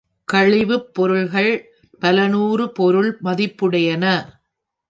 கழிவுப் பொருள்கள் பலநூறு பொருள் மதிப்புடையன.